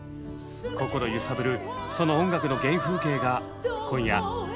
心揺さぶるその音楽の原風景が今夜明かされます。